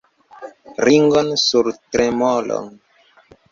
Ringon sur tremolon!